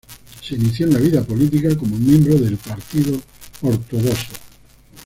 Se inició en la vida política como miembro del Partido Ortodoxo.